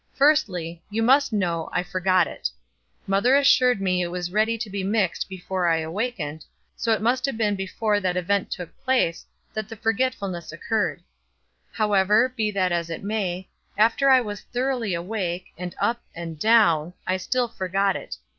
Firstly, you must know, I forgot it. Mother assured me it was ready to be mixed before I awakened, so it must have been before that event took place that the forgetfulness occurred; however, be that as it may, after I was thoroughly awake, and up, and down, I still forgot it.